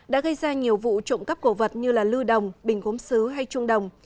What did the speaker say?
đã gây ra nhiều vụ trộm cắp cổ vật như lưu đồng bình gốm xứ hay trung đồng